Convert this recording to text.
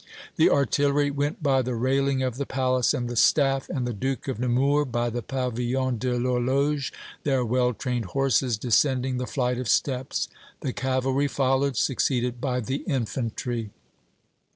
The artillery went by the railing of the palace, and the staff and the Duke of Nemours by the Pavillon de l'Horloge, their well trained horses descending the flight of steps. The cavalry followed, succeeded by the infantry.